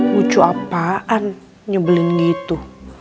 lucu apaan nyebelin gitu